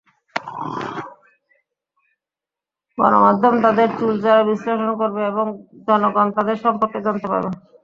গণমাধ্যম তাঁদের চুলচেরা বিশ্লেষণ করবে এবং জনগণ তাঁদের সম্পর্কে জানতে পারবে।